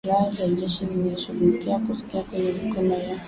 Silaha za jeshi zinashukiwa kuangukia kwenye mikono ya